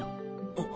あっ。